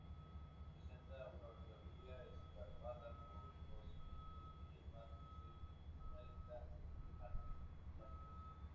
Presenta una orografía escarpada por los vientos y además por ser una isla altiplánica.